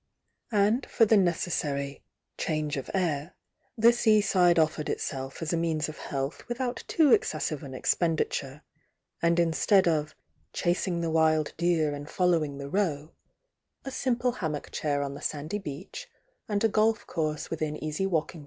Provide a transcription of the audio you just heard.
And for the necessary "change of air," the seaside offered itself as a means of hedth without too excessive an expenditure, and instead of "chasing the wild deer 16 THE YOUNG DIANA and following the roe," a simple hammock chair on tfte sandy beach, uid a golf course within easy walk Si!